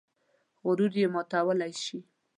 غرور یې ماتولی شي.